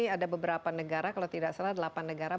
ada beberapa negara kalau tidak salah delapan negara